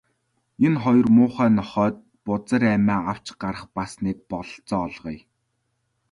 Энэ хоёр муухай нохойд бузар амиа авч гарах бас нэг бололцоо олгоё.